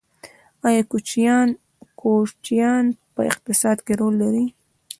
آیا کوچیان په اقتصاد کې رول لري؟